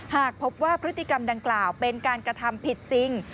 หากพบว่าพฤติกรรมดังกล่าวเป็นการกระทำผิดจริง